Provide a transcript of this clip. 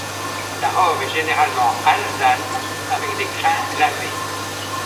La robe est généralement alezane, avec des crins lavés.